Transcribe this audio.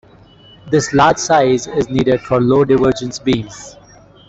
This large size is needed for low divergence beams.